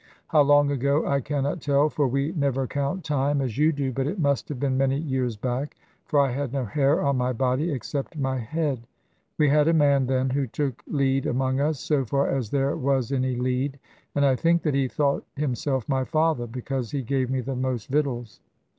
How long ago I cannot tell, for we never count time as you do, but it must have been many years back, for I had no hair on my body except my head. We had a man then who took lead among us, so far as there was any lead; and I think that he thought himself my father, because he gave me the most victuals.